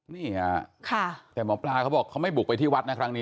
นี่ค่ะแต่หมอปลาเขาบอกเขาไม่บุกไปที่วัดนะครั้งนี้